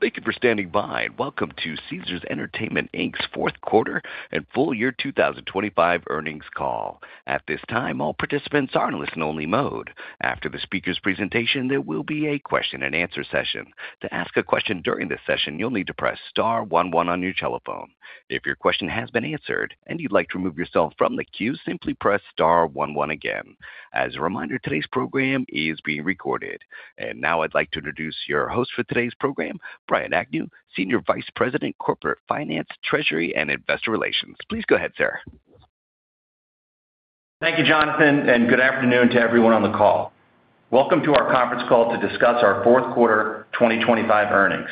Thank you for standing by, and welcome to Caesars Entertainment Inc's Fourth Quarter and Full Year 2025 Earnings Call. At this time, all participants are in listen-only mode. After the speaker's presentation, there will be a question-and-answer session. To ask a question during this session, you'll need to press star one one on your telephone. If your question has been answered and you'd like to remove yourself from the queue, simply press star one one again. As a reminder, today's program is being recorded. And now I'd like to introduce your host for today's program, Brian Agnew, Senior Vice President, Corporate Finance, Treasury, and Investor Relations. Please go ahead, sir. Thank you, Jonathan, and good afternoon to everyone on the call. Welcome to our conference call to discuss our fourth quarter 2025 earnings.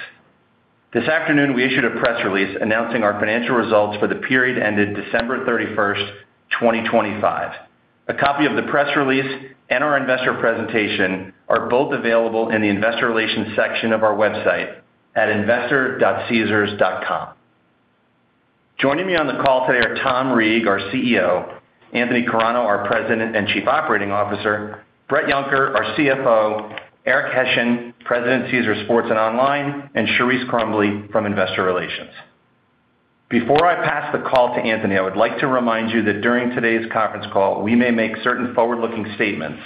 This afternoon, we issued a press release announcing our financial results for the period ended December 31st, 2025. A copy of the press release and our investor presentation are both available in the investor relations section of our website at investor.caesars.com. Joining me on the call today are Tom Reeg, our CEO, Anthony Carano, our President and Chief Operating Officer, Bret Yunker, our CFO, Eric Hession, President, Caesars Sports and Online, and Charise Crumbley from Investor Relations. Before I pass the call to Anthony, I would like to remind you that during today's conference call, we may make certain forward-looking statements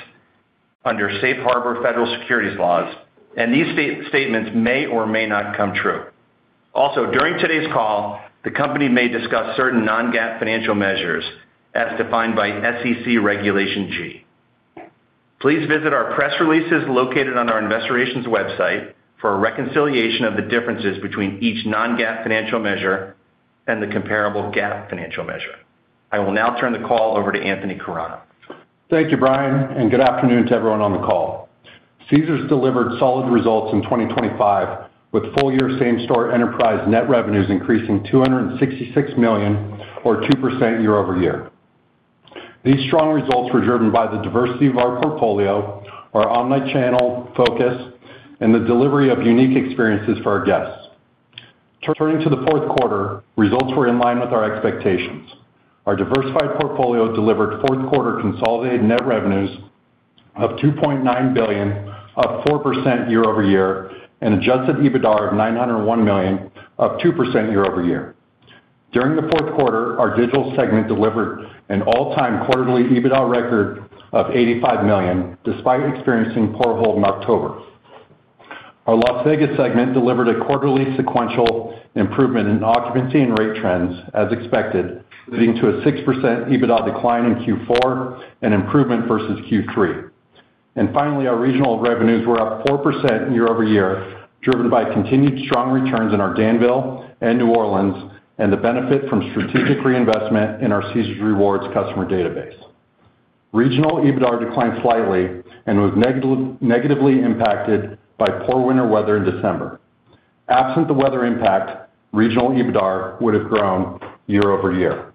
under Safe Harbor federal securities laws, and these statements may or may not come true. Also, during today's call, the company may discuss certain non-GAAP financial measures as defined by SEC Regulation G. Please visit our press releases located on our Investor Relations website for a reconciliation of the differences between each non-GAAP financial measure and the comparable GAAP financial measure. I will now turn the call over to Anthony Carano. Thank you, Brian, and good afternoon to everyone on the call. Caesars delivered solid results in 2025, with full-year same-store enterprise net revenues increasing $266 million or 2% year-over-year. These strong results were driven by the diversity of our portfolio, our omni-channel focus, and the delivery of unique experiences for our guests. Turning to the fourth quarter, results were in line with our expectations. Our diversified portfolio delivered fourth quarter consolidated net revenues of $2.9 billion, up 4% year-over-year, and adjusted EBITDA of $901 million, up 2% year-over-year. During the fourth quarter, our digital segment delivered an all-time quarterly EBITDA record of $85 million, despite experiencing poor volume in October. Our Las Vegas segment delivered a quarterly sequential improvement in occupancy and rate trends as expected, leading to a 6% EBITDA decline in Q4 and improvement versus Q3. Finally, our regional revenues were up 4% year-over-year, driven by continued strong returns in our Danville and New Orleans, and the benefit from strategic reinvestment in our Caesars Rewards customer database. Regional EBITDA declined slightly and was negatively, negatively impacted by poor winter weather in December. Absent the weather impact, regional EBITDA would have grown year-over-year.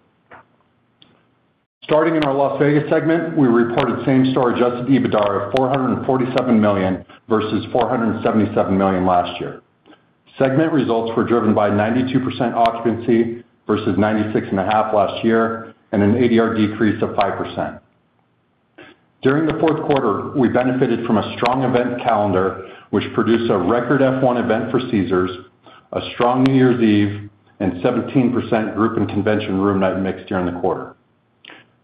Starting in our Las Vegas segment, we reported same-store adjusted EBITDA of $447 million versus $477 million last year. Segment results were driven by 92% occupancy versus 96.5% last year, and an ADR decrease of 5%. During the fourth quarter, we benefited from a strong event calendar, which produced a record F1 event for Caesars, a strong New Year's Eve, and 17% group and convention room night mix during the quarter.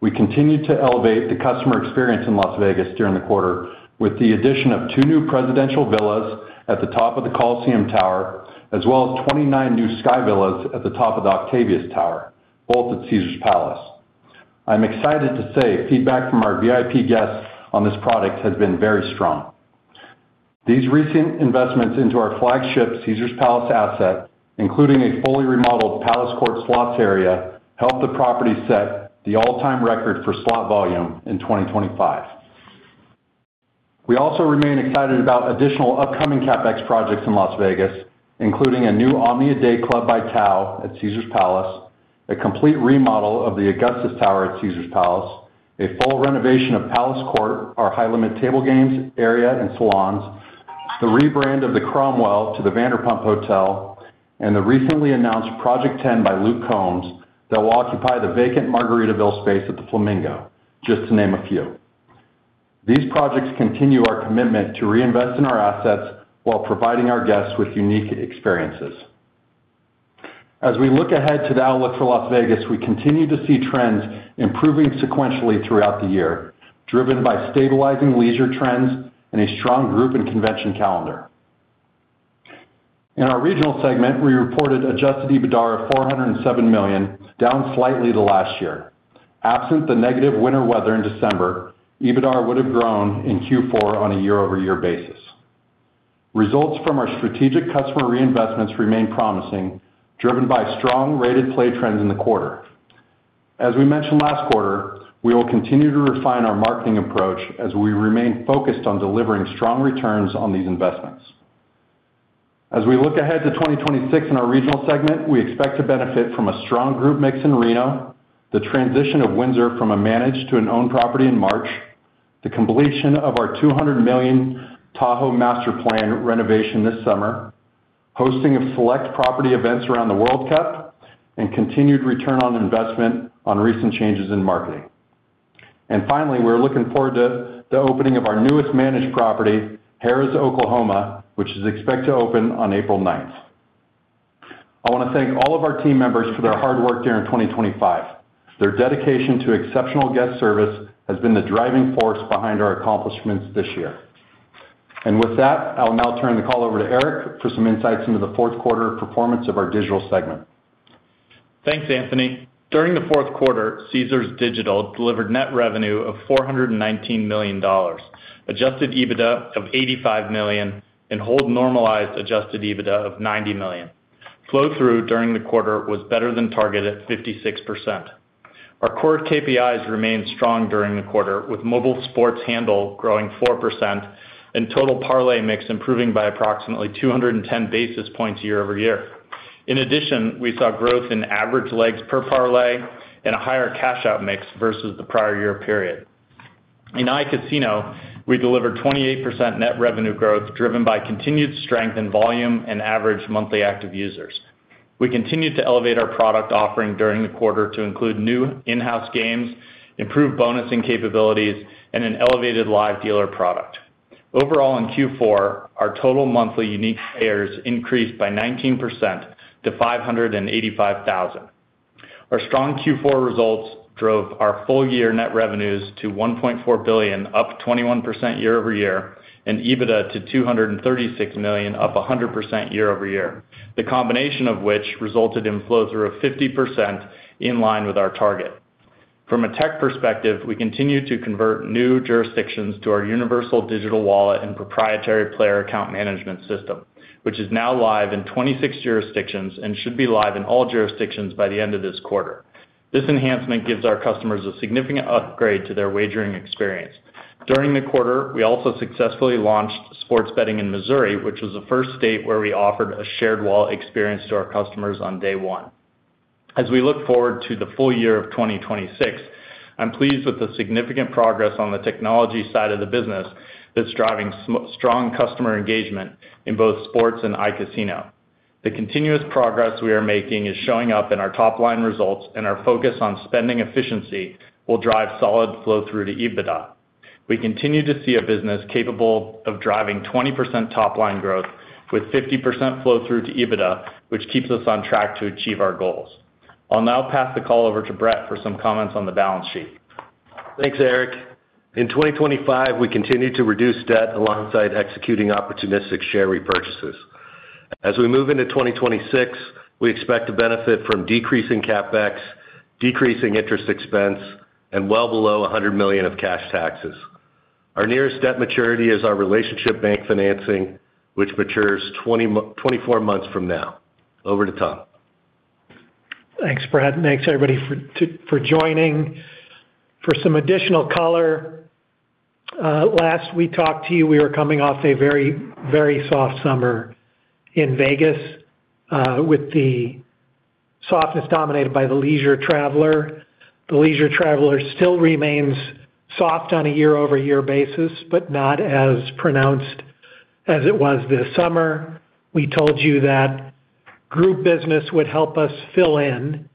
We continued to elevate the customer experience in Las Vegas during the quarter, with the addition of two new presidential villas at the top of the Colosseum Tower, as well as 29 new sky villas at the top of the Octavius Tower, both at Caesars Palace. I'm excited to say feedback from our VIP guests on this product has been very strong. These recent investments into our flagship Caesars Palace asset, including a fully remodeled Palace Court Slots area, helped the property set the all-time record for slot volume in 2025. We also remain excited about additional upcoming CapEx projects in Las Vegas, including a new OMNIA Dayclub by Tao at Caesars Palace, a complete remodel of the Augustus Tower at Caesars Palace, a full renovation of Palace Court, our high-limit table games area and salons, the rebrand of the Cromwell to the Vanderpump Hotel, and the recently announced Project 10 by Luke Combs that will occupy the vacant Margaritaville space at the Flamingo, just to name a few. These projects continue our commitment to reinvest in our assets while providing our guests with unique experiences. As we look ahead to the outlook for Las Vegas, we continue to see trends improving sequentially throughout the year, driven by stabilizing leisure trends and a strong group and convention calendar. In our regional segment, we reported adjusted EBITDA of $407 million, down slightly to last year. Absent the winter weather in December, EBITDA would have grown in Q4 on a year-over-year basis. Results from our strategic customer reinvestments remain promising, driven by strong rated play trends in the quarter. As we mentioned last quarter, we will continue to refine our marketing approach as we remain focused on delivering strong returns on these investments. As we look ahead to 2026 in our regional segment, we expect to benefit from a strong group mix in Reno, the transition of Windsor from a managed to an owned property in March, the completion of our $200 million Tahoe master plan renovation this summer, hosting of select property events around the World Cup, and continued return on investment on recent changes in marketing. Finally, we're looking forward to the opening of our newest managed property, Harrah's Oklahoma, which is expected to open on April 9th. I want to thank all of our team members for their hard work during 2025. Their dedication to exceptional guest service has been the driving force behind our accomplishments this year. With that, I'll now turn the call over to Eric for some insights into the fourth quarter performance of our digital segment. Thanks, Anthony. During the fourth quarter, Caesars Digital delivered net revenue of $419 million, adjusted EBITDA of $85 million, and hold normalized adjusted EBITDA of $90 million. Flow-through during the quarter was better than targeted at 56%. Our core KPIs remained strong during the quarter, with mobile sports handle growing 4% and total parlay mix improving by approximately 210 basis points year-over-year. In addition, we saw growth in average legs per parlay and a higher cash-out mix versus the prior year period. In iCasino, we delivered 28% net revenue growth, driven by continued strength in volume and average monthly active users. We continued to elevate our product offering during the quarter to include new in-house games, improved bonusing capabilities, and an elevated live dealer product. Overall, in Q4, our total monthly unique players increased by 19% to 585,000. Our strong Q4 results drove our full-year net revenues to $1.4 billion, up 21% year-over-year, and EBITDA to $236 million, up 100% year-over-year. The combination of which resulted in flow-through of 50% in line with our target. From a tech perspective, we continue to convert new jurisdictions to our universal digital wallet and proprietary player account management system, which is now live in 26 jurisdictions and should be live in all jurisdictions by the end of this quarter. This enhancement gives our customers a significant upgrade to their wagering experience. During the quarter, we also successfully launched sports betting in Missouri, which was the first state where we offered a shared wallet experience to our customers on day one. As we look forward to the full year of 2026, I'm pleased with the significant progress on the technology side of the business that's driving strong customer engagement in both sports and iCasino. The continuous progress we are making is showing up in our top-line results, and our focus on spending efficiency will drive solid flow-through to EBITDA. We continue to see a business capable of driving 20% top-line growth with 50% flow-through to EBITDA, which keeps us on track to achieve our goals. I'll now pass the call over to Bret for some comments on the balance sheet. Thanks, Eric. In 2025, we continued to reduce debt alongside executing opportunistic share repurchases. As we move into 2026, we expect to benefit from decreasing CapEx, decreasing interest expense, and well below $100 million of cash taxes. Our nearest debt maturity is our relationship bank financing, which matures 24 months from now. Over to Tom. Thanks, Bret. Thanks, everybody, for joining. For some additional color, last we talked to you, we were coming off a very, very soft summer in Vegas, with the softness dominated by the leisure traveler. The leisure traveler still remains soft on a year-over-year basis, but not as pronounced as it was this summer. We told you that group business would help us fill in,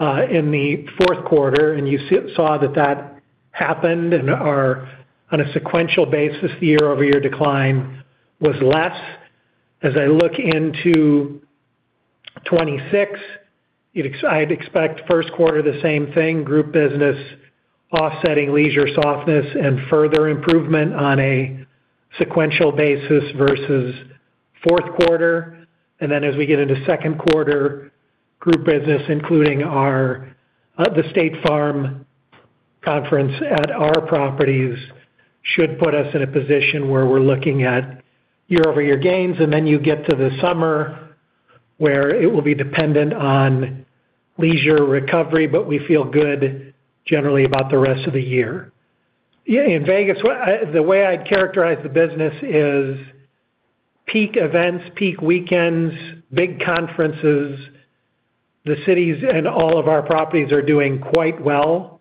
in the fourth quarter, and you saw that that happened and our on a sequential basis, year-over-year decline was less. As I look into 2026, I'd expect first quarter, the same thing, group business offsetting leisure softness and further improvement on a sequential basis versus fourth quarter. Then as we get into second quarter, group business, including our, the State Farm conference at our properties, should put us in a position where we're looking at year-over-year gains. Then you get to the summer, where it will be dependent on leisure recovery, but we feel good generally about the rest of the year. Yeah, in Vegas, the way I'd characterize the business is peak events, peak weekends, big conferences, the cities and all of our properties are doing quite well.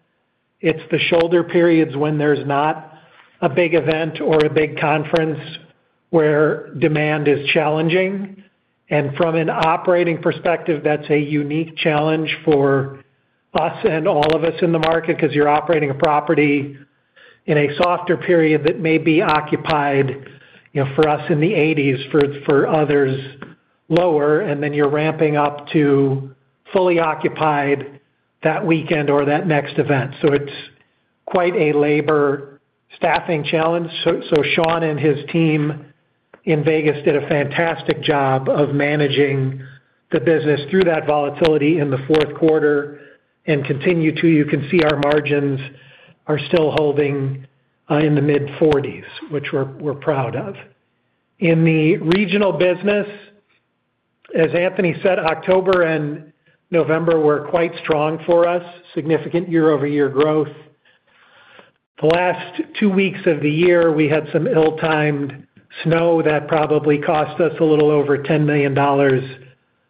It's the shoulder periods when there's not a big event or a big conference where demand is challenging. From an operating perspective, that's a unique challenge for us and all of us in the market, because you're operating a property in a softer period that may be occupied, you know, for us in the 80s, for others, lower, and then you're ramping up to fully occupied that weekend or that next event. So it's quite a labor staffing challenge. So Sean and his team in Vegas did a fantastic job of managing the business through that volatility in the fourth quarter and continue to. You can see our margins are still holding in the mid-40s, which we're proud of. In the regional business, as Anthony said, October and November were quite strong for us, significant year-over-year growth. The last two weeks of the year, we had some ill-timed snow that probably cost us a little over $10 million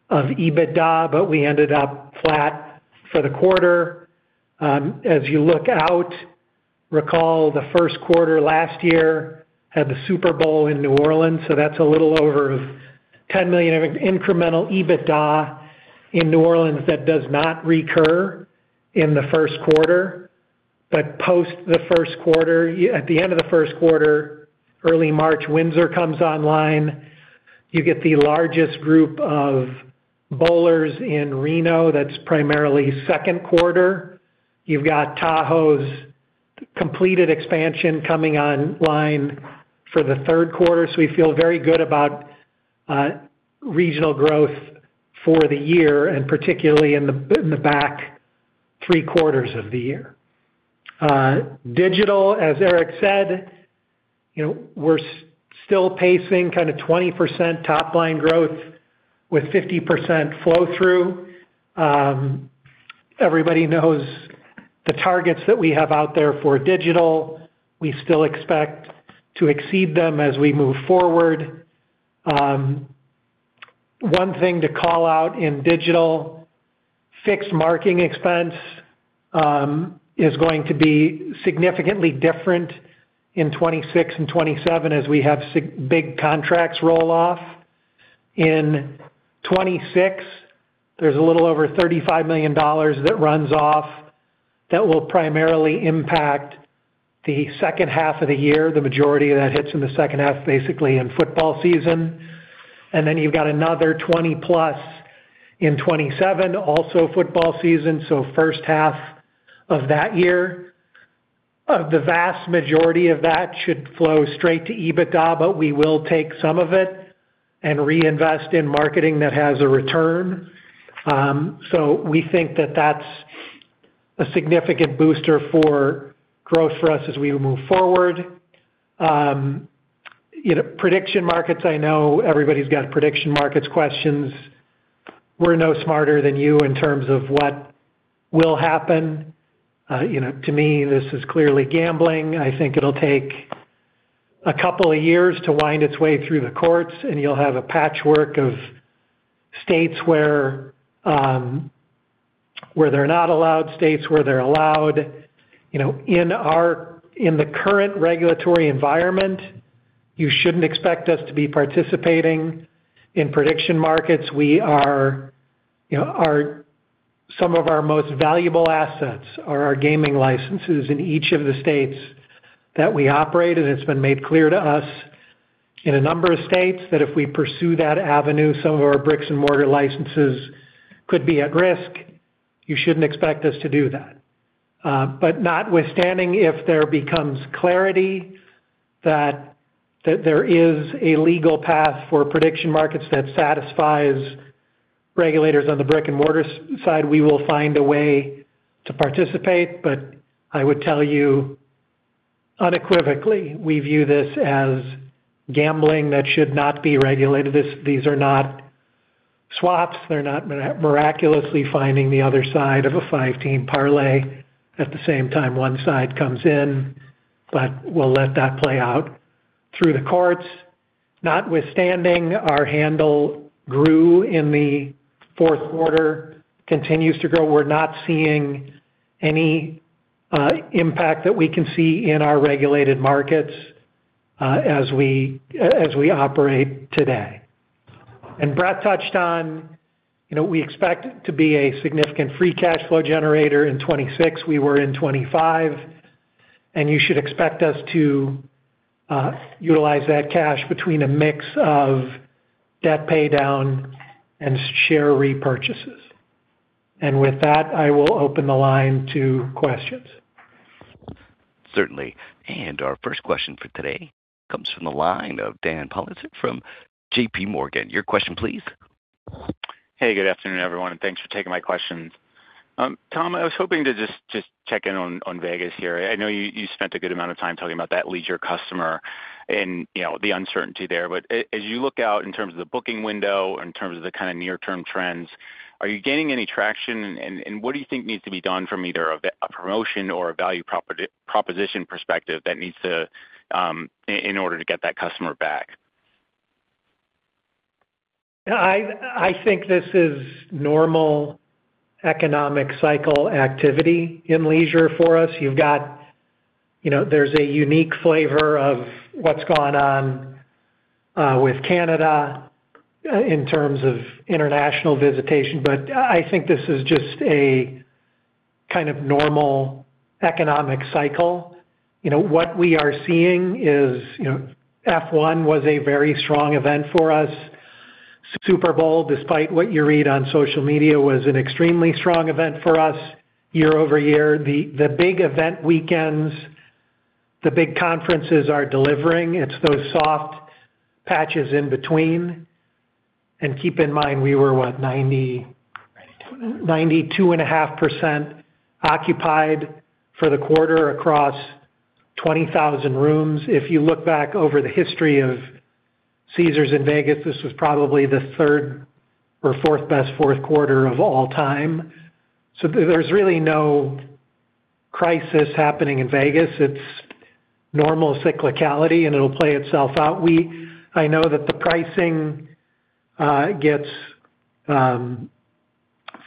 of EBITDA, but we ended up flat for the quarter. As you look out, recall the first quarter last year had the Super Bowl in New Orleans, so that's a little over $10 million of incremental EBITDA in New Orleans that does not recur in the first quarter. But post the first quarter, at the end of the first quarter, early March, Windsor comes online. You get the largest group of bowlers in Reno, that's primarily second quarter. You've got Tahoe's completed expansion coming online for the third quarter. So we feel very good about regional growth for the year, and particularly in the back three quarters of the year. Digital, as Eric said, you know, we're still pacing kind of 20% top-line growth with 50% flow-through. Everybody knows the targets that we have out there for digital. We still expect to exceed them as we move forward. One thing to call out in digital, fixed marketing expense, is going to be significantly different in 2026 and 2027 as we have big contracts roll off. In 2026, there's a little over $35 million that runs off. That will primarily impact the second half of the year. The majority of that hits in the second half, basically in football season, and then you've got another 20+ in 2027, also football season, so first half of that year. The vast majority of that should flow straight to EBITDA, but we will take some of it and reinvest in marketing that has a return. So we think that that's a significant booster for growth for us as we move forward. You know, prediction markets, I know everybody's got prediction markets questions. We're no smarter than you in terms of what will happen. You know, to me, this is clearly gambling. I think it'll take a couple of years to wind its way through the courts, and you'll have a patchwork of states where they're not allowed, states where they're allowed. You know, in the current regulatory environment, you shouldn't expect us to be participating in prediction markets. We are, you know, some of our most valuable assets are our gaming licenses in each of the states that we operate, and it's been made clear to us in a number of states that if we pursue that avenue, some of our bricks-and-mortar licenses could be at risk. You shouldn't expect us to do that. But notwithstanding, if there becomes clarity that there is a legal path for prediction markets that satisfies regulators on the brick-and-mortar side, we will find a way to participate. But I would tell you unequivocally, we view this as gambling that should not be regulated. These are not swaps. They're not miraculously finding the other side of a five-team parlay at the same time one side comes in, but we'll let that play out through the courts. Notwithstanding, our handle grew in the fourth quarter, continues to grow. We're not seeing any impact that we can see in our regulated markets as we operate today. Bret touched on, you know, we expect to be a significant free cash flow generator in 2026. We were in 2025, and you should expect us to utilize that cash between a mix of debt paydown and share repurchases. With that, I will open the line to questions. Certainly. And our first question for today comes from the line of Dan Politzer from JPMorgan. Your question, please. Hey, good afternoon, everyone, and thanks for taking my questions. Tom, I was hoping to just check in on Vegas here. I know you spent a good amount of time talking about that leisure customer and, you know, the uncertainty there. But as you look out in terms of the booking window, in terms of the kind of near-term trends, are you gaining any traction? And what do you think needs to be done from either a promotion or a value proposition perspective that needs to, in order to get that customer back? I think this is normal economic cycle activity in leisure for us. You've got... You know, there's a unique flavor of what's gone on with Canada in terms of international visitation, but I think this is just a kind of normal economic cycle. You know, what we are seeing is, you know, F1 was a very strong event for us. Super Bowl, despite what you read on social media, was an extremely strong event for us year over year. The big event weekends, the big conferences are delivering. It's those soft patches in between. And keep in mind, we were, what, ninety- Ninety-two. 92.5% occupied for the quarter across 20,000 rooms. If you look back over the history of Caesars in Vegas, this was probably the third or fourth best fourth quarter of all time. So there's really no crisis happening in Vegas. It's normal cyclicality, and it'll play itself out. We-- I know that the pricing gets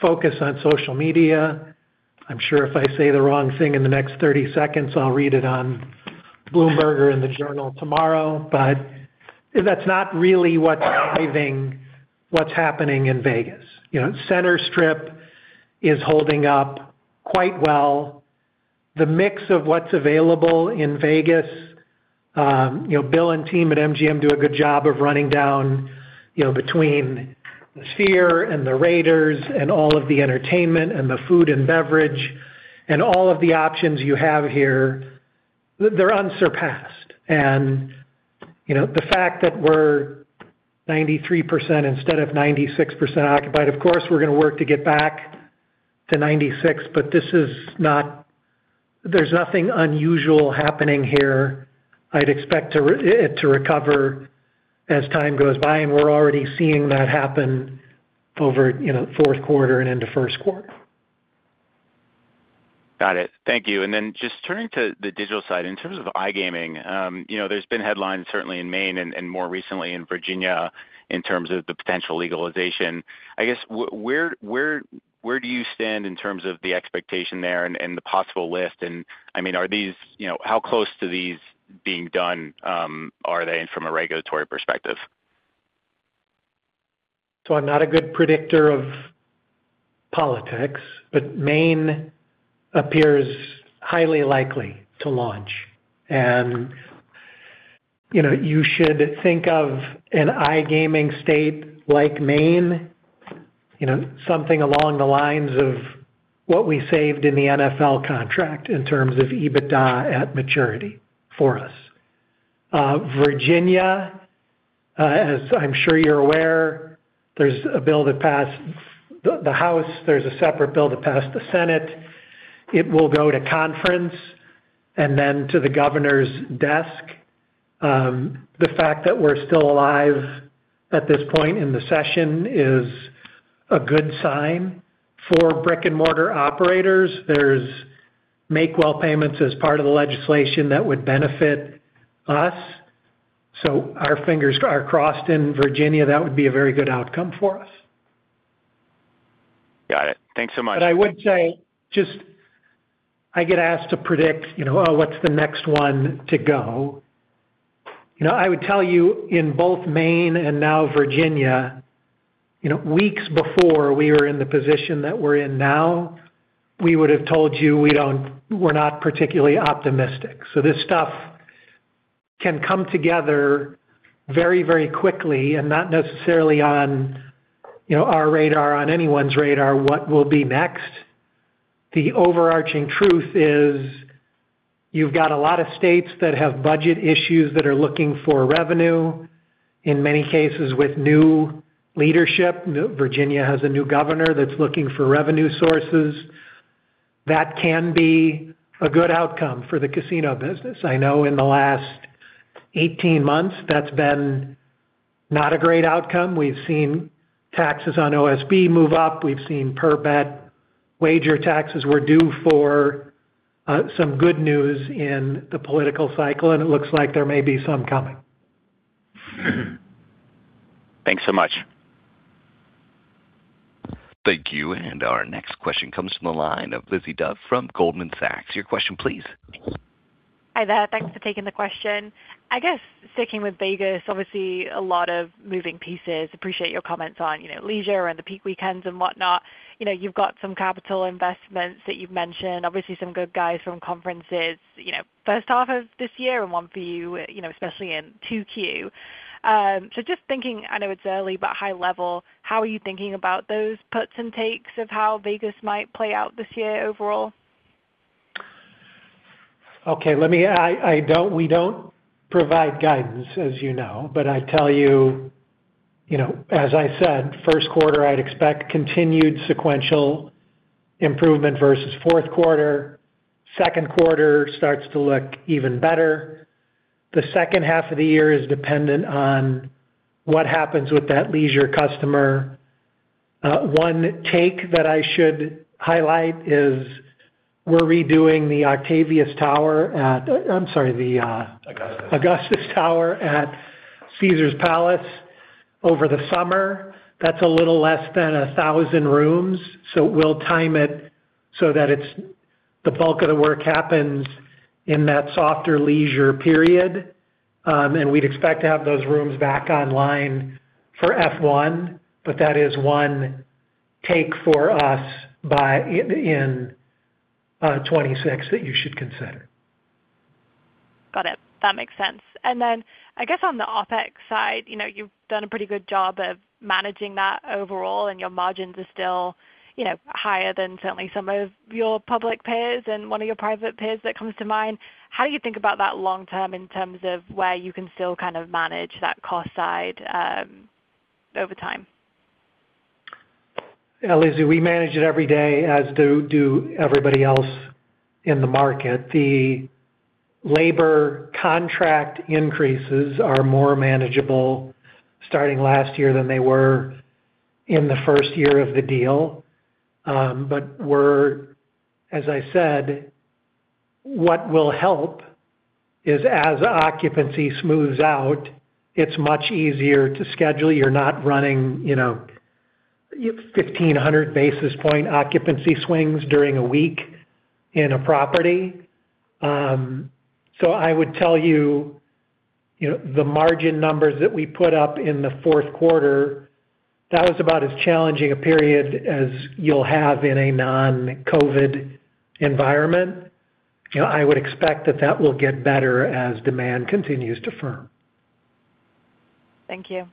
focus on social media. I'm sure if I say the wrong thing in the next 30 seconds, I'll read it on Bloomberg or in the Journal tomorrow. But that's not really what's driving what's happening in Vegas. You know, Center Strip is holding up quite well. The mix of what's available in Vegas, you know, Bill and team at MGM do a good job of running down, you know, between the Sphere and the Raiders and all of the entertainment and the food and beverage and all of the options you have here, they're unsurpassed. You know, the fact that we're 93% instead of 96% occupied, of course, we're going to work to get back to 96%, but this is not. There's nothing unusual happening here. I'd expect it to recover as time goes by, and we're already seeing that happen over, you know, fourth quarter and into first quarter. Got it. Thank you. And then just turning to the digital side, in terms of iGaming, you know, there's been headlines, certainly in Maine and more recently in Virginia, in terms of the potential legalization. I guess, where do you stand in terms of the expectation there and the possible lift? And I mean, are these—you know, how close to these being done, are they from a regulatory perspective? So I'm not a good predictor of politics, but Maine appears highly likely to launch. And, you know, you should think of an iGaming state like Maine, you know, something along the lines of what we saved in the NFL contract in terms of EBITDA at maturity for us. Virginia, as I'm sure you're aware, there's a bill that passed the House. There's a separate bill that passed the Senate. It will go to conference and then to the governor's desk. The fact that we're still alive at this point in the session is a good sign for brick-and-mortar operators. There's make-whole payments as part of the legislation that would benefit us, so our fingers are crossed in Virginia. That would be a very good outcome for us. Got it. Thanks so much. But I would say, just I get asked to predict, you know, "Oh, what's the next one to go?" You know, I would tell you, in both Maine and now Virginia, you know, weeks before we were in the position that we're in now, we would have told you we're not particularly optimistic. So this stuff can come together very, very quickly and not necessarily on, you know, our radar, on anyone's radar, what will be next. The overarching truth is you've got a lot of states that have budget issues that are looking for revenue, in many cases, with new leadership. New Virginia has a new governor that's looking for revenue sources. That can be a good outcome for the casino business. I know in the last 18 months, that's been not a great outcome. We've seen taxes on OSB move up. We've seen per bet wager taxes. We're due for some good news in the political cycle, and it looks like there may be some coming. Thanks so much. Thank you, and our next question comes from the line of Lizzie Dove from Goldman Sachs. Your question, please. Hi there. Thanks for taking the question. I guess sticking with Vegas, obviously, a lot of moving pieces. Appreciate your comments on, you know, leisure and the peak weekends and whatnot. You know, you've got some capital investments that you've mentioned, obviously some good guys from conferences, you know, first half of this year and one for you, you know, especially in 2Q. So just thinking, I know it's early, but high level, how are you thinking about those puts and takes of how Vegas might play out this year overall? Okay, let me. I don't—we don't provide guidance, as you know, but I tell you, you know, as I said, first quarter, I'd expect continued sequential improvement versus fourth quarter. Second quarter starts to look even better. The second half of the year is dependent on what happens with that leisure customer. One take that I should highlight is we're redoing the Octavius Tower at. I'm sorry, the. Augustus. Augustus Tower at Caesars Palace over the summer. That's a little less than 1,000 rooms, so we'll time it so that it's, the bulk of the work happens in that softer leisure period. And we'd expect to have those rooms back online for F1, but that is one take for us by, in 2026 that you should consider. Got it. That makes sense. And then I guess on the OpEx side, you know, you've done a pretty good job of managing that overall, and your margins are still, you know, higher than certainly some of your public peers and one of your private peers that comes to mind. How do you think about that long term in terms of where you can still kind of manage that cost side, over time? Yeah, Lizzie, we manage it every day, as do everybody else in the market. The labor contract increases are more manageable starting last year than they were in the first year of the deal. But we're, as I said. What will help is as occupancy smooths out, it's much easier to schedule. You're not running, you know, 1,500 basis point occupancy swings during a week in a property. So I would tell you, you know, the margin numbers that we put up in the fourth quarter, that was about as challenging a period as you'll have in a non-COVID environment. You know, I would expect that that will get better as demand continues to firm. Thank you.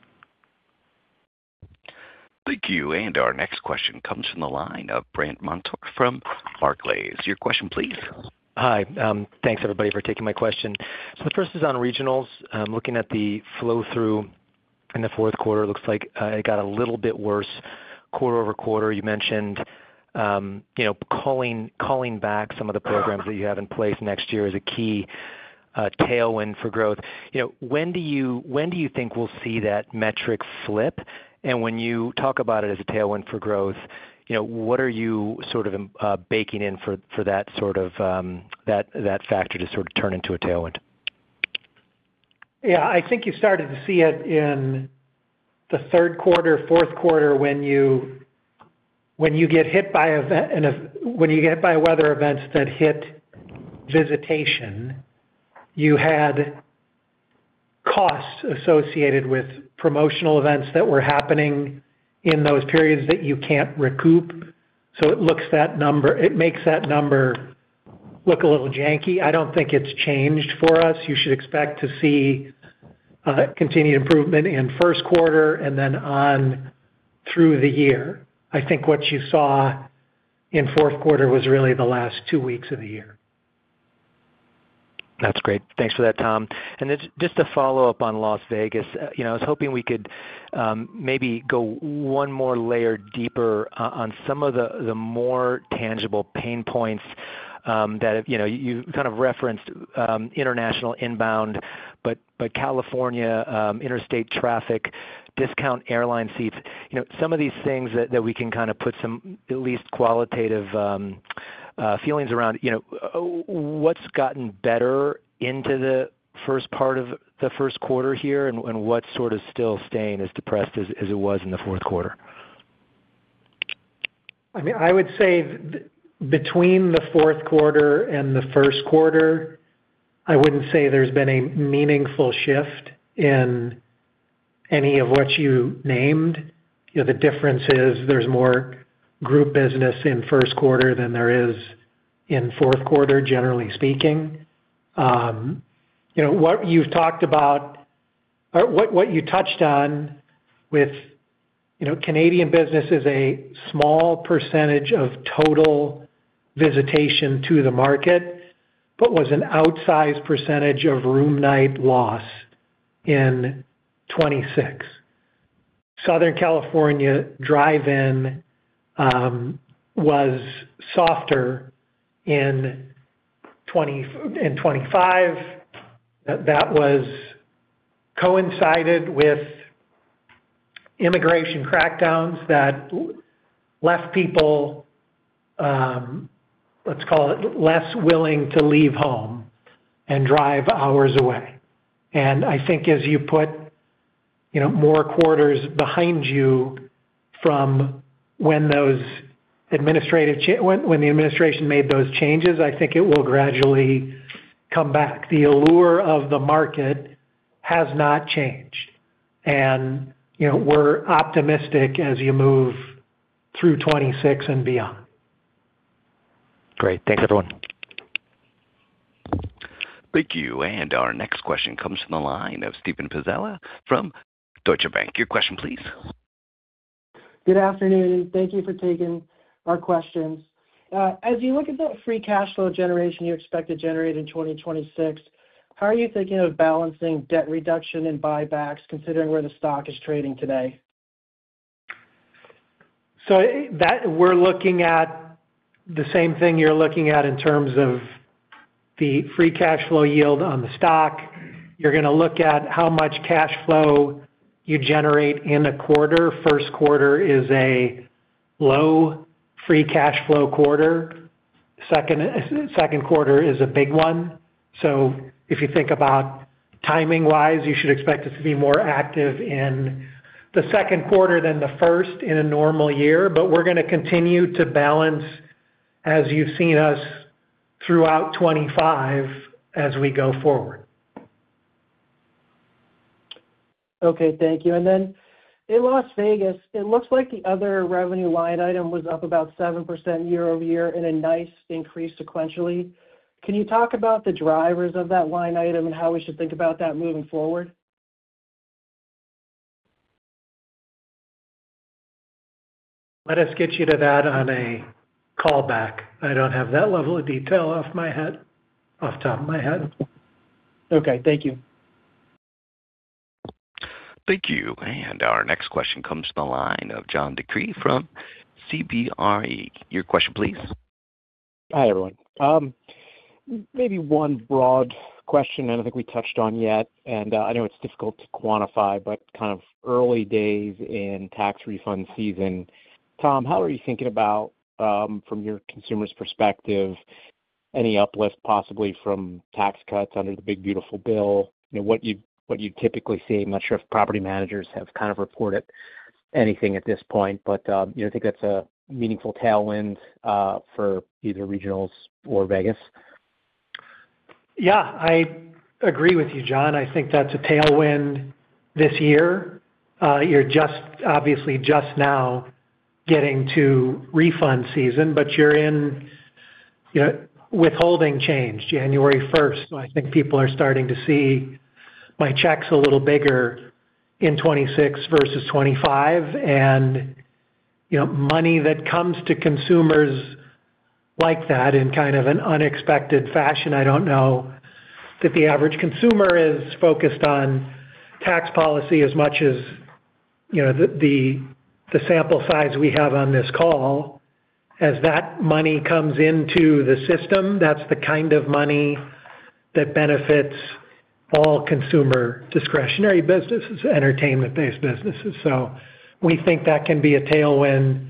Thank you. Our next question comes from the line of Brandt Montour from Barclays. Your question, please. Hi, thanks everybody for taking my question. So the first is on regionals. Looking at the flow-through in the fourth quarter, it looks like it got a little bit worse quarter-over-quarter. You mentioned, you know, calling back some of the programs that you have in place next year is a key tailwind for growth. You know, when do you think we'll see that metric flip? And when you talk about it as a tailwind for growth, you know, what are you sort of baking in for that sort of that factor to sort of turn into a tailwind? Yeah, I think you started to see it in the third quarter, fourth quarter, when you get hit by weather events that hit visitation, you had costs associated with promotional events that were happening in those periods that you can't recoup. So it looks that number. It makes that number look a little janky. I don't think it's changed for us. You should expect to see continued improvement in first quarter and then on through the year. I think what you saw in fourth quarter was really the last two weeks of the year. That's great. Thanks for that, Tom. And then just to follow up on Las Vegas, you know, I was hoping we could maybe go one more layer deeper on some of the more tangible pain points that you know you kind of referenced: international inbound, but California interstate traffic, discount airline seats. You know, some of these things that we can kind of put some at least qualitative feelings around. You know, what's gotten better into the first part of the first quarter here, and what sort of still staying as depressed as it was in the fourth quarter? I mean, I would say between the fourth quarter and the first quarter, I wouldn't say there's been a meaningful shift in any of what you named. You know, the difference is there's more group business in first quarter than there is in fourth quarter, generally speaking. You know, what you've talked about or what you touched on with, you know, Canadian business is a small percentage of total visitation to the market, but was an outsized percentage of room night loss in 2026. Southern California drive-in was softer in 2025. That coincided with immigration crackdowns that left people, let's call it, less willing to leave home and drive hours away. And I think as you put, you know, more quarters behind you from when those administrative changes, when the administration made those changes, I think it will gradually come back. The allure of the market has not changed, and you know, we're optimistic as you move through 2026 and beyond. Great. Thanks, everyone. Thank you. Our next question comes from the line of Steven Pizzella from Deutsche Bank. Your question, please. Good afternoon. Thank you for taking our questions. As you look at the free cash flow generation you expect to generate in 2026, how are you thinking of balancing debt reduction and buybacks, considering where the stock is trading today? So that we're looking at the same thing you're looking at in terms of the free cash flow yield on the stock. You're gonna look at how much cash flow you generate in a quarter. First quarter is a low free cash flow quarter. Second, second quarter is a big one. So if you think about timing-wise, you should expect us to be more active in the second quarter than the first in a normal year. But we're gonna continue to balance, as you've seen us throughout 2025, as we go forward. Okay, thank you. Then in Las Vegas, it looks like the other revenue line item was up about 7% year-over-year in a nice increase sequentially. Can you talk about the drivers of that line item and how we should think about that moving forward? Let us get you to that on a call back. I don't have that level of detail off the top of my head. Okay, thank you. Thank you. Our next question comes from the line of John DeCree from CBRE. Your question please. Hi, everyone. Maybe one broad question I don't think we touched on yet, and I know it's difficult to quantify, but kind of early days in tax refund season. Tom, how are you thinking about, from your consumer's perspective, any uplift possibly from tax cuts under the big beautiful bill? You know, what you'd, what you'd typically see, I'm not sure if property managers have kind of reported anything at this point, but, you know, I think that's a meaningful tailwind, for either regionals or Vegas. Yeah, I agree with you, John. I think that's a tailwind this year. You're just obviously just now getting to refund season, but you're in, you know, withholding change January 1st. I think people are starting to see my checks a little bigger in 2026 versus 2025. And, you know, money that comes to consumers like that in kind of an unexpected fashion, I don't know that the average consumer is focused on tax policy as much as, you know, the sample size we have on this call. As that money comes into the system, that's the kind of money that benefits all consumer discretionary businesses, entertainment-based businesses. So we think that can be a tailwind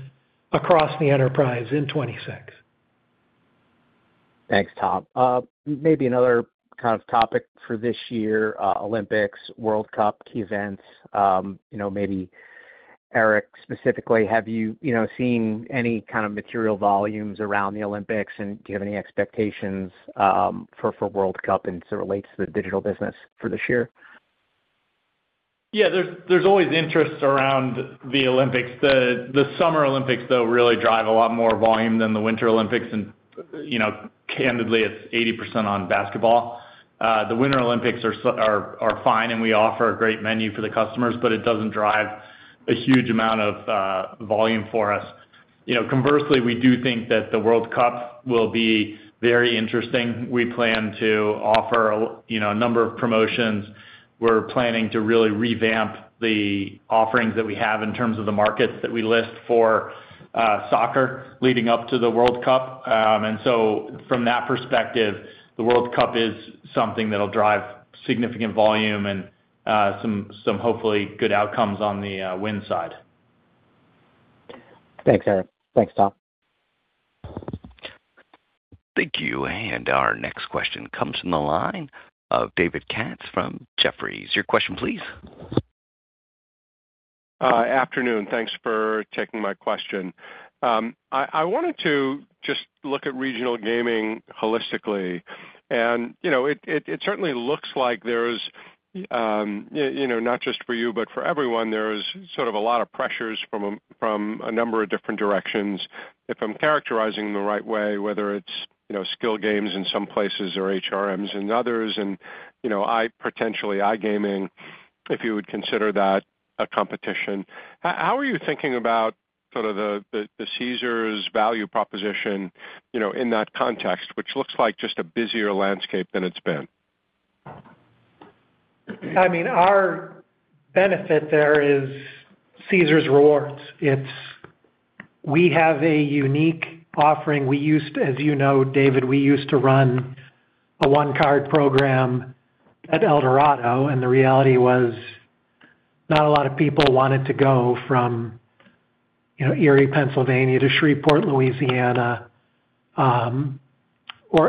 across the enterprise in 2026. Thanks, Tom. Maybe another kind of topic for this year, Olympics, World Cup, key events. You know, maybe Eric, specifically, have you, you know, seen any kind of material volumes around the Olympics, and do you have any expectations, for World Cup as it relates to the digital business for this year? Yeah, there's always interest around the Olympics. The Summer Olympics, though, really drive a lot more volume than the Winter Olympics, and, you know, candidly, it's 80% on basketball. The Winter Olympics are fine, and we offer a great menu for the customers, but it doesn't drive a huge amount of volume for us. You know, conversely, we do think that the World Cup will be very interesting. We plan to offer, you know, a number of promotions. We're planning to really revamp the offerings that we have in terms of the markets that we list for soccer leading up to the World Cup. And so from that perspective, the World Cup is something that'll drive significant volume and some hopefully good outcomes on the win side. Thanks, Eric. Thanks, Tom. Thank you. Our next question comes from the line of David Katz from Jefferies. Your question, please. Afternoon. Thanks for taking my question. I wanted to just look at regional gaming holistically. And, you know, it certainly looks like there's, you know, not just for you, but for everyone, there is sort of a lot of pressures from a number of different directions. If I'm characterizing it right, whether it's, you know, skill games in some places or HRMs in others, and, you know, potentially iGaming, if you would consider that a competition. How are you thinking about sort of the Caesars value proposition, you know, in that context, which looks like just a busier landscape than it's been? I mean, our benefit there is Caesars Rewards. It's. We have a unique offering. We used, as you know, David, we used to run a one card program at Eldorado, and the reality was, not a lot of people wanted to go from, you know, Erie, Pennsylvania, to Shreveport, Louisiana, or,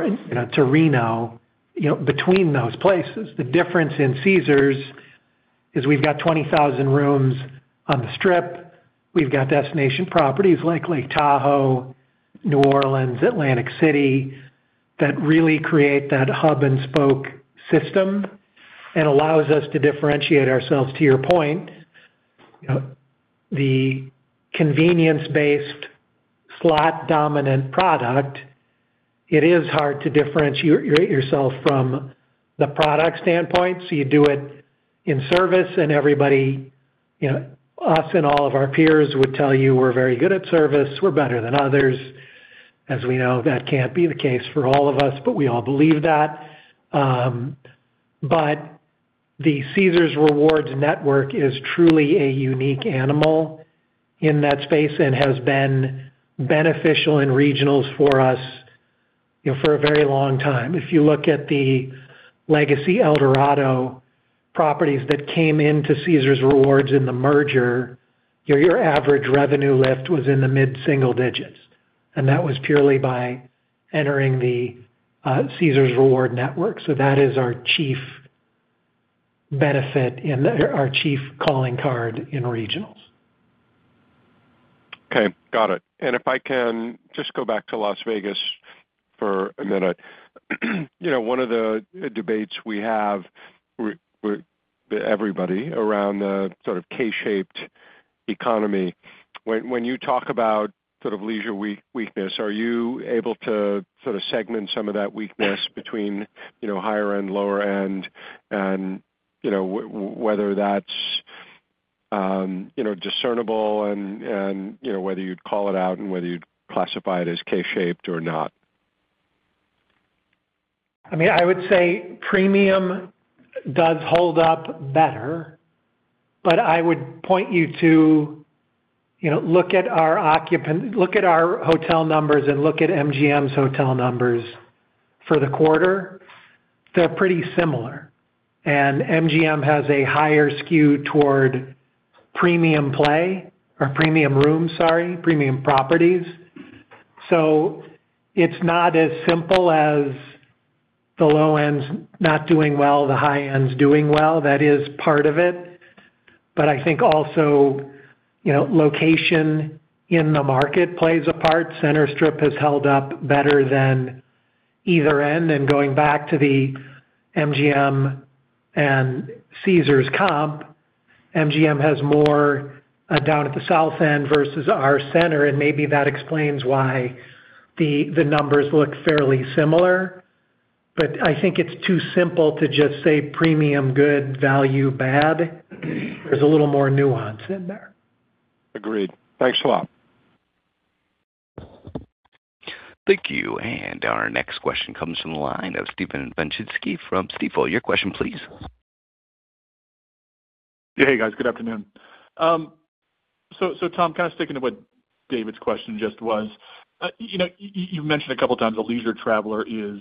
you know, to Reno, you know, between those places. The difference in Caesars is we've got 20,000 rooms on the Strip. We've got destination properties like Lake Tahoe, New Orleans, Atlantic City, that really create that hub-and-spoke system and allows us to differentiate ourselves. To your point, you know, the convenience-based, slot-dominant product, it is hard to differentiate yourself from the product standpoint, so you do it in service, and everybody, you know, us and all of our peers would tell you we're very good at service. We're better than others. As we know, that can't be the case for all of us, but we all believe that. But the Caesars Rewards network is truly a unique animal in that space and has been beneficial in regionals for us, you know, for a very long time. If you look at the legacy Eldorado properties that came into Caesars Rewards in the merger, your average revenue lift was in the mid-single digits, and that was purely by entering the Caesars Rewards network. So that is our chief benefit in the our chief calling card in regionals. Okay, got it. And if I can just go back to Las Vegas for a minute. You know, one of the debates we have with everybody around the sort of K-shaped economy, when you talk about sort of leisure weakness, are you able to sort of segment some of that weakness between, you know, higher end, lower end, and, you know, whether that's discernible and, you know, whether you'd call it out and whether you'd classify it as K-shaped or not? I mean, I would say premium does hold up better, but I would point you to, you know, look at our hotel numbers and look at MGM's hotel numbers for the quarter. They're pretty similar, and MGM has a higher skew toward premium play or premium room, sorry, premium properties. So it's not as simple as the low end's not doing well, the high end's doing well. That is part of it. But I think also, you know, location in the market plays a part. Center Strip has held up better than either end, and going back to the MGM and Caesars comp, MGM has more down at the south end versus our center, and maybe that explains why the numbers look fairly similar. But I think it's too simple to just say premium good, value bad. There's a little more nuance in there. Agreed. Thanks a lot. Thank you. Our next question comes from the line of Steven Wieczynski from Stifel. Your question, please. Hey, guys, good afternoon. So, Tom, kind of sticking to what David's question just was, you know, you've mentioned a couple of times the leisure traveler is,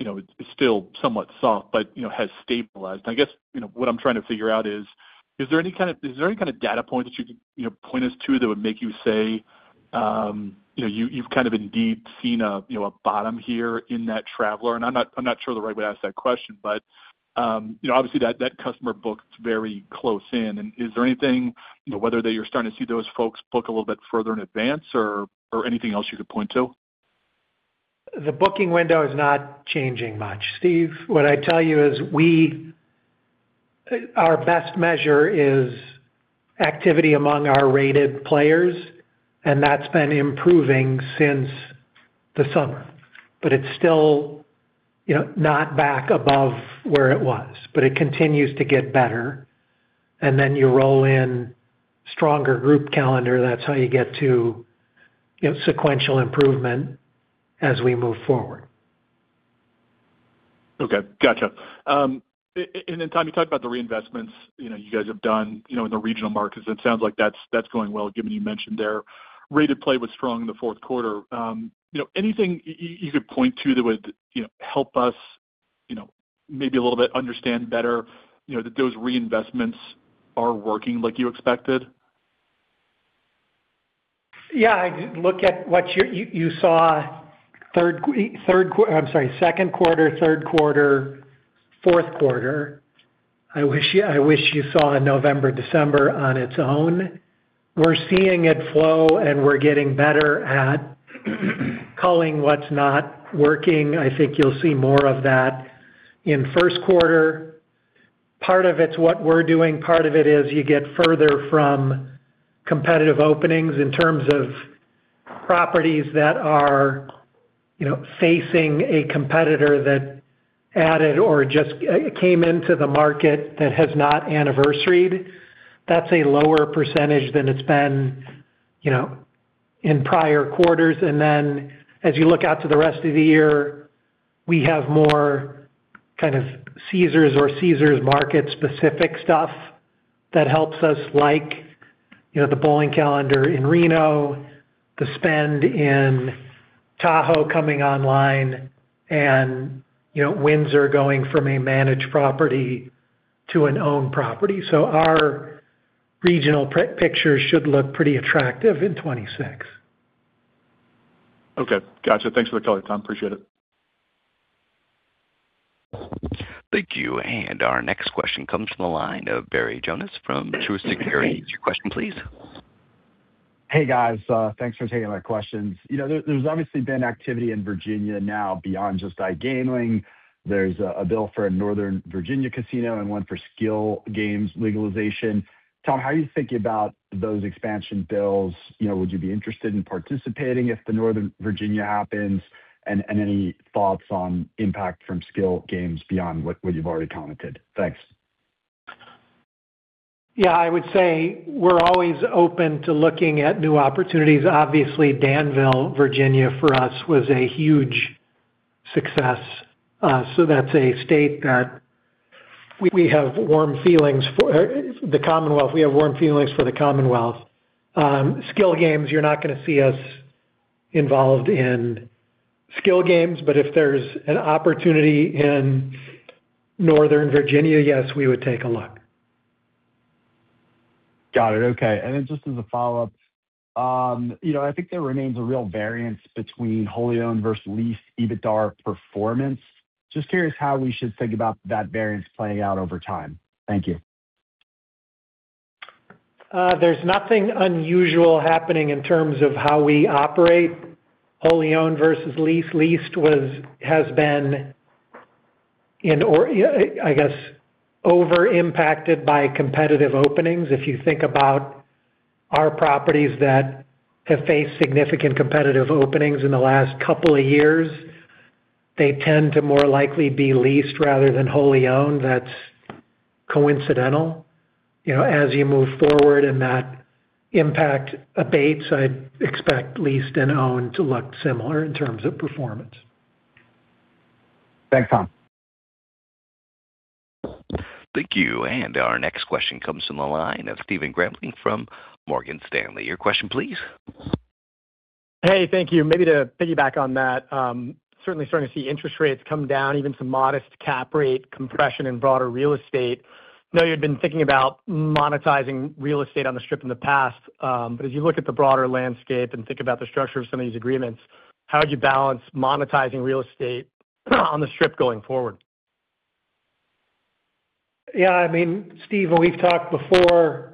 you know, is still somewhat soft, but, you know, has stabilized. I guess, you know, what I'm trying to figure out is, is there any kind of data point that you could, you know, point us to that would make you say, you know, you've kind of indeed seen a, you know, a bottom here in that traveler? And I'm not, I'm not sure the right way to ask that question, but, you know, obviously that, that customer books very close in. And is there anything, you know, whether that you're starting to see those folks book a little bit further in advance or anything else you could point to? The booking window is not changing much, Steve. What I tell you is we, our best measure is activity among our rated players, and that's been improving since the summer, but it's still, you know, not back above where it was, but it continues to get better. And then you roll in stronger group calendar, that's how you get to, you know, sequential improvement as we move forward. Okay, gotcha. And then, Tom, you talked about the reinvestments, you know, you guys have done, you know, in the regional markets. It sounds like that's, that's going well, given you mentioned their rated play was strong in the fourth quarter. You know, anything you could point to that would, you know, help us, you know, maybe a little bit understand better, you know, that those reinvestments are working like you expected? Yeah, I look at what you saw third quarter. I'm sorry, second quarter, third quarter, fourth quarter. I wish you saw November, December on its own. We're seeing it flow, and we're getting better at culling what's not working. I think you'll see more of that in first quarter. Part of it's what we're doing, part of it is you get further from competitive openings in terms of properties that are, you know, facing a competitor that added or just came into the market that has not anniversaried. That's a lower percentage than it's been, you know, in prior quarters. And then as you look out to the rest of the year, we have more kind of Caesars or Caesars market-specific stuff that helps us, like, you know, the bowling calendar in Reno, the spend in Tahoe coming online and, you know, Windsor going from a managed property to an owned property. So our regional picture should look pretty attractive in 2026. Okay, gotcha. Thanks for the color, Tom. Appreciate it. Thank you. Our next question comes from the line of Barry Jonas from Truist. Barry, your question, please. Hey, guys, thanks for taking my questions. You know, there's obviously been activity in Virginia now beyond just iGaming. There's a bill for a Northern Virginia casino and one for skill games legalization. Tom, how are you thinking about those expansion bills? You know, would you be interested in participating if the Northern Virginia happens? And any thoughts on impact from skill games beyond what you've already commented? Thanks. Yeah, I would say we're always open to looking at new opportunities. Obviously, Danville, Virginia, for us, was a huge success, so that's a state that we have warm feelings for, the Commonwealth. We have warm feelings for the Commonwealth. Skill games, you're not going to see us involved in skill games, but if there's an opportunity in Northern Virginia, yes, we would take a look. Got it. Okay. Then just as a follow-up, you know, I think there remains a real variance between wholly owned versus leased EBITDAR performance. Just curious how we should think about that variance playing out over time. Thank you. There's nothing unusual happening in terms of how we operate, wholly owned versus leased. Leased was-- has been, I guess, over impacted by competitive openings. If you think about our properties that have faced significant competitive openings in the last couple of years, they tend to more likely be leased rather than wholly owned. That's coincidental. You know, as you move forward and that impact abates, I'd expect leased and owned to look similar in terms of performance. Thanks, Tom. Thank you. Our next question comes from the line of Stephen Grambling from Morgan Stanley. Your question, please. Hey, thank you. Maybe to piggyback on that, certainly starting to see interest rates come down, even some modest cap rate compression in broader real estate. I know you'd been thinking about monetizing real estate on the strip in the past, but as you look at the broader landscape and think about the structure of some of these agreements, how would you balance monetizing real estate on the strip going forward? Yeah, I mean, Steve, we've talked before.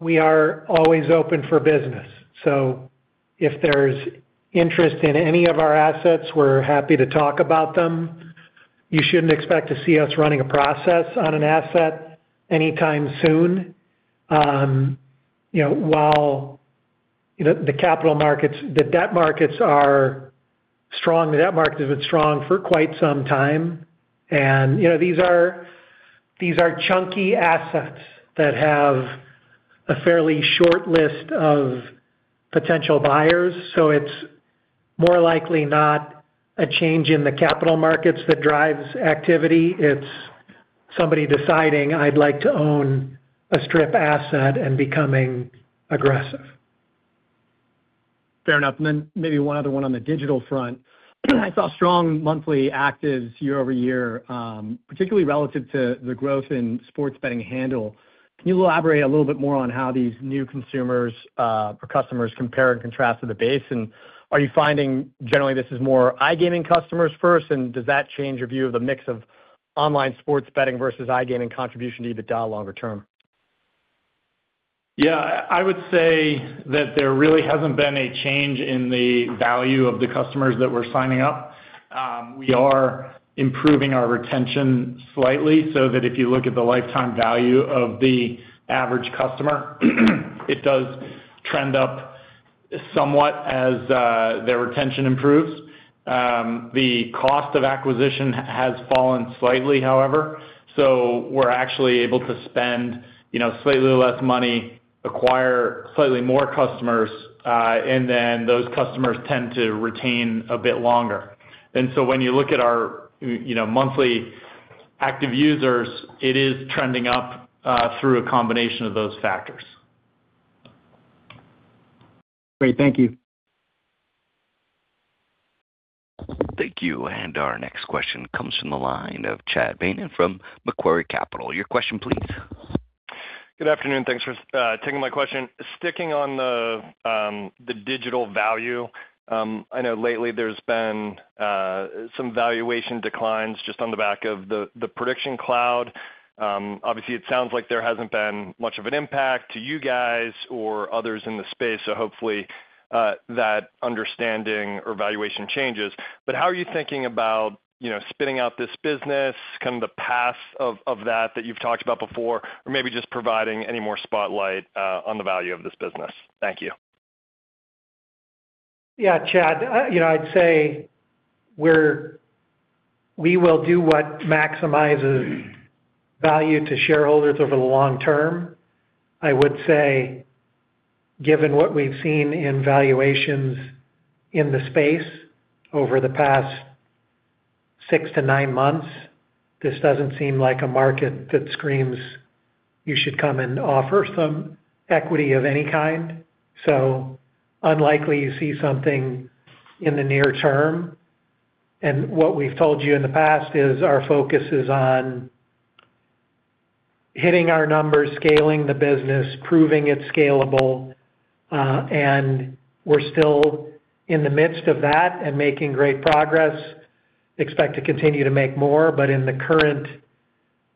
We are always open for business. So if there's interest in any of our assets, we're happy to talk about them. You shouldn't expect to see us running a process on an asset anytime soon. You know, while you know the capital markets, the debt markets are strong, the debt market has been strong for quite some time. You know, these are, these are chunky assets that have a fairly short list of potential buyers. So it's more likely not a change in the capital markets that drives activity, it's somebody deciding, "I'd like to own a Strip asset," and becoming aggressive. Fair enough. And then maybe one other one on the digital front. I saw strong monthly actives year over year, particularly relative to the growth in sports betting handle. Can you elaborate a little bit more on how these new consumers or customers compare and contrast to the base? And are you finding generally this is more iGaming customers first, and does that change your view of the mix of online sports betting versus iGaming contribution to EBITDA longer term? Yeah, I would say that there really hasn't been a change in the value of the customers that we're signing up. We are improving our retention slightly, so that if you look at the lifetime value of the average customer, it does trend up somewhat as their retention improves. The cost of acquisition has fallen slightly, however, so we're actually able to spend, you know, slightly less money, acquire slightly more customers, and then those customers tend to retain a bit longer. And so when you look at our, you know, monthly active users, it is trending up through a combination of those factors. Great. Thank you. Thank you. And our next question comes from the line of Chad Beynon from Macquarie Capital. Your question, please. Good afternoon. Thanks for taking my question. Sticking on the digital value, I know lately there's been some valuation declines just on the back of the prediction cloud. Obviously, it sounds like there hasn't been much of an impact to you guys or others in the space, so hopefully that understanding or valuation changes. But how are you thinking about, you know, spinning out this business, kind of the path of that you've talked about before, or maybe just providing any more spotlight on the value of this business? Thank you. Yeah, Chad, you know, I'd say we will do what maximizes value to shareholders over the long term. I would say, given what we've seen in valuations in the space over the past six to nine months, this doesn't seem like a market that screams, "You should come and offer some equity of any kind." So unlikely you see something in the near term. And what we've told you in the past is our focus is on hitting our numbers, scaling the business, proving it's scalable, and we're still in the midst of that and making great progress. Expect to continue to make more, but in the current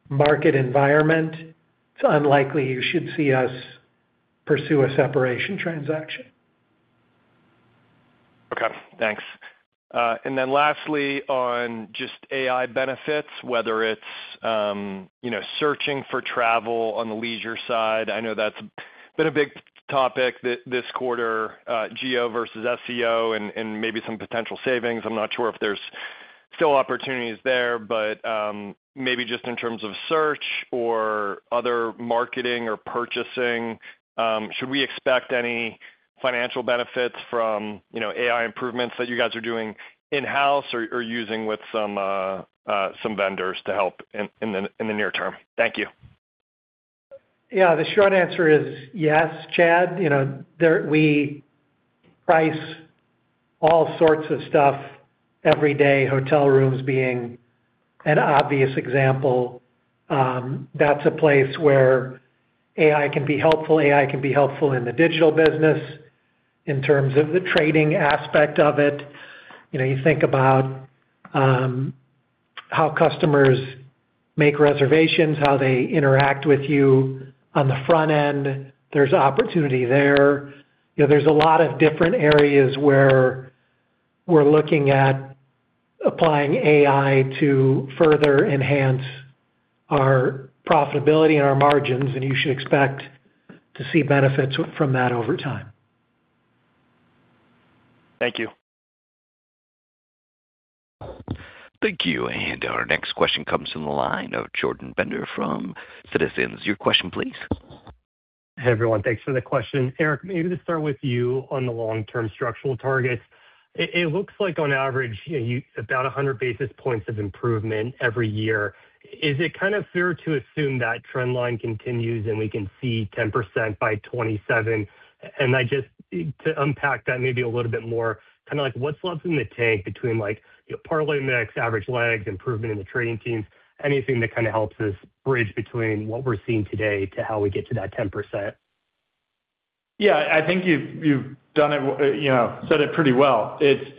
market environment, it's unlikely you should see us pursue a separation transaction. Okay, thanks. And then lastly, on just AI benefits, whether it's, you know, searching for travel on the leisure side, I know that's been a big topic this quarter, GEO versus SEO and, and maybe some potential savings. I'm not sure if there's still opportunities there, but, maybe just in terms of search or other marketing or purchasing, should we expect any financial benefits from, you know, AI improvements that you guys are doing in-house or, or using with some, some vendors to help in, in the near term? Thank you. Yeah, the short answer is yes, Chad. You know, there we price all sorts of stuff every day, hotel rooms being an obvious example. That's a place where AI can be helpful. AI can be helpful in the digital business in terms of the trading aspect of it. You know, you think about how customers make reservations, how they interact with you on the front end, there's opportunity there. You know, there's a lot of different areas where we're looking at applying AI to further enhance our profitability and our margins, and you should expect to see benefits from that over time. Thank you. Thank you. Our next question comes from the line of Jordan Bender from Citizens. Your question, please. Hey, everyone. Thanks for the question. Eric, maybe to start with you on the long-term structural targets. It looks like on average about 100 basis points of improvement every year. Is it kind of fair to assume that trend line continues and we can see 10% by 2027? And I just to unpack that maybe a little bit more, kind of like, what's left in the tank between, like, parlay mix, average legs, improvement in the trading teams? Anything that kind of helps us bridge between what we're seeing today to how we get to that 10%. Yeah, I think you've done it, you know, said it pretty well. It's.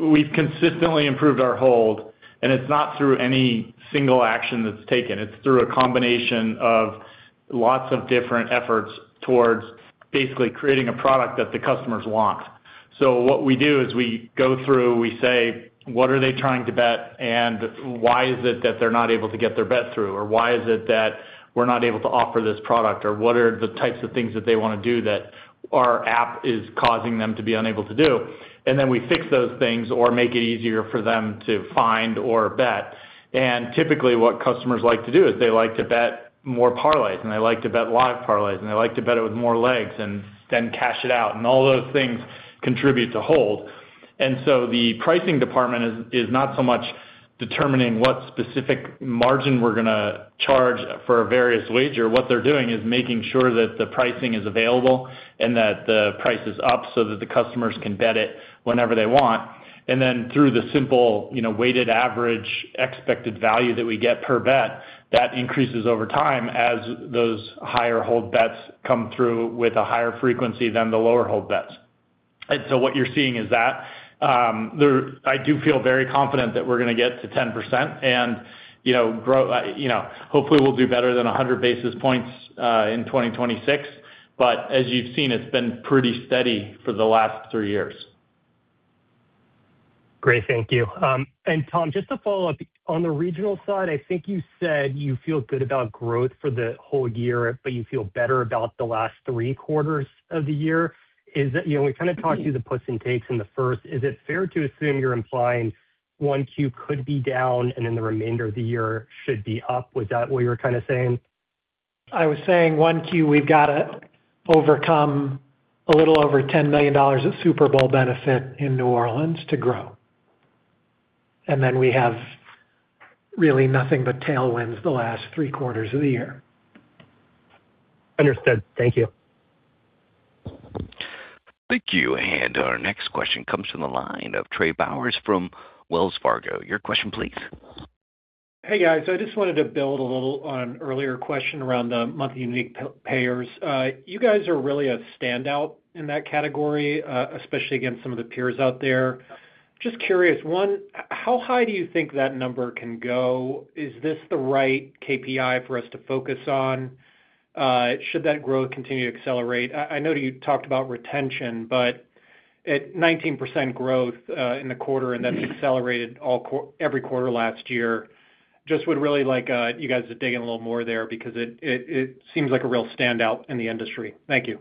We've consistently improved our hold, and it's not through any single action that's taken. It's through a combination of lots of different efforts towards basically creating a product that the customers want. So what we do is we go through, we say, "What are they trying to bet? And why is it that they're not able to get their bet through? Or why is it that we're not able to offer this product? Or what are the types of things that they want to do, that our app is causing them to be unable to do?" And then we fix those things or make it easier for them to find or bet. Typically, what customers like to do is they like to bet more parlays, and they like to bet live parlays, and they like to bet it with more legs and then cash it out, and all those things contribute to hold. So the pricing department is not so much determining what specific margin we're gonna charge for a various wager. What they're doing is making sure that the pricing is available and that the price is up, so that the customers can bet it whenever they want. Then through the simple, you know, weighted average expected value that we get per bet, that increases over time as those higher hold bets come through with a higher frequency than the lower hold bets. So what you're seeing is that I do feel very confident that we're gonna get to 10% and, you know, grow, you know, hopefully, we'll do better than 100 basis points in 2026. But as you've seen, it's been pretty steady for the last three years. Great, thank you. And Tom, just to follow up, on the regional side, I think you said you feel good about growth for the whole year, but you feel better about the last three quarters of the year. Is that... You know, we kind of talked through the puts and takes in the first. Is it fair to assume you're implying 1Q could be down, and then the remainder of the year should be up? Was that what you were kind of saying? I was saying 1Q, we've got to overcome a little over $10 million of Super Bowl benefit in New Orleans to grow. Then we have really nothing but tailwinds the last three quarters of the year. Understood. Thank you. Thank you, and our next question comes from the line of Trey Bowers from Wells Fargo. Your question, please. Hey, guys. I just wanted to build a little on an earlier question around the monthly unique payers. You guys are really a standout in that category, especially against some of the peers out there. Just curious, one, how high do you think that number can go? Is this the right KPI for us to focus on? Should that growth continue to accelerate? I know you talked about retention, but at 19% growth in the quarter, and that's accelerated every quarter last year. Just would really like you guys to dig in a little more there because it seems like a real standout in the industry. Thank you.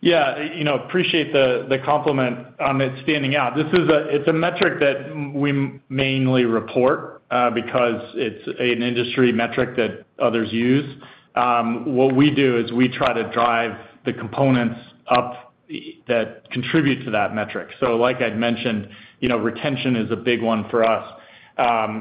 Yeah, you know, appreciate the compliment on it standing out. This is a metric that we mainly report, because it's an industry metric that others use. What we do is we try to drive the components up that contribute to that metric. So like I'd mentioned, you know, retention is a big one for us.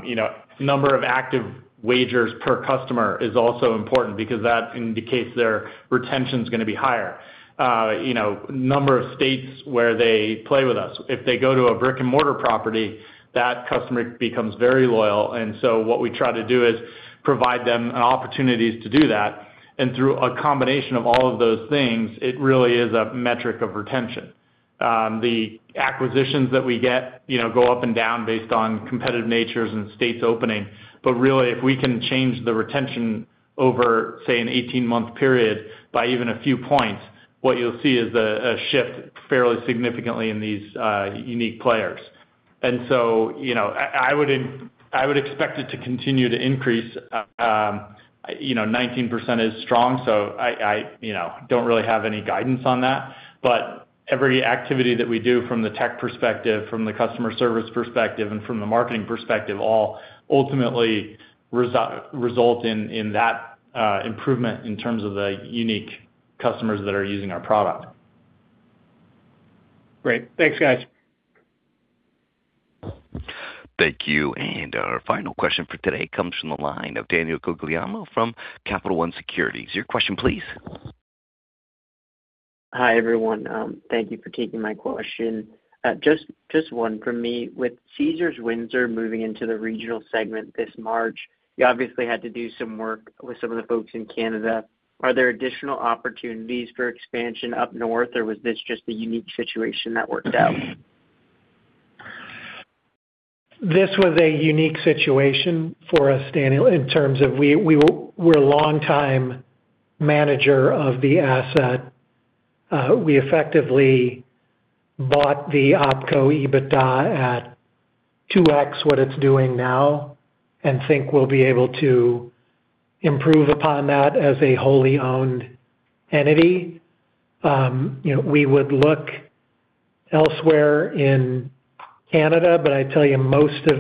You know, number of active wagers per customer is also important because that indicates their retention's gonna be higher. You know, number of states where they play with us. If they go to a brick-and-mortar property, that customer becomes very loyal, and so what we try to do is provide them an opportunities to do that. And through a combination of all of those things, it really is a metric of retention. The acquisitions that we get, you know, go up and down based on competitive natures and states opening. But really, if we can change the retention over, say, an 18-month period by even a few points, what you'll see is a shift fairly significantly in these unique players. And so, you know, I would expect it to continue to increase, you know, 19% is strong, so I, you know, don't really have any guidance on that. But every activity that we do from the tech perspective, from the customer service perspective, and from the marketing perspective, all ultimately result in that improvement in terms of the unique customers that are using our product. Great. Thanks, guys. Thank you, and our final question for today comes from the line of Daniel Guglielmo from Capital One Securities. Your question please. Hi, everyone. Thank you for taking my question. Just, just one from me. With Caesars Windsor moving into the regional segment this March, you obviously had to do some work with some of the folks in Canada. Are there additional opportunities for expansion up north, or was this just a unique situation that worked out? This was a unique situation for us, Daniel, in terms of we're a long time manager of the asset. We effectively bought the OpCo EBITDA at 2x what it's doing now and think we'll be able to improve upon that as a wholly owned entity. You know, we would look elsewhere in Canada, but I tell you, most of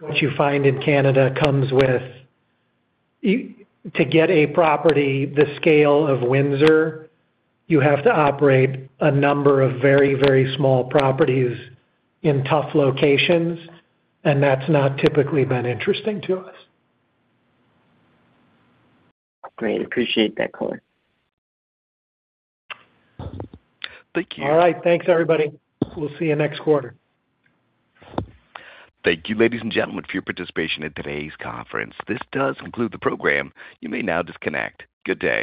what you find in Canada comes with... To get a property the scale of Windsor, you have to operate a number of very, very small properties in tough locations, and that's not typically been interesting to us. Great. Appreciate that color. Thank you. All right. Thanks, everybody. We'll see you next quarter. Thank you, ladies and gentlemen, for your participation in today's conference. This does conclude the program. You may now disconnect. Good day.